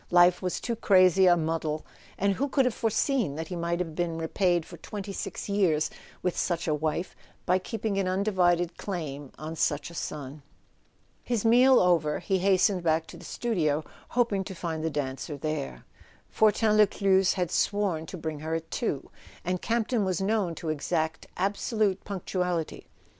Life was too crazy a muddle—and who could have foreseen that he might have been repaid for twenty six years wdth such a wife by keeping an undivided claim bn such a son ? His meal over, he hastened back to the studio, hop¬ ing to find the dancer there. Fortin Lescluze had sworn to bring her at two, and Campton was known to exact absolute punctuality.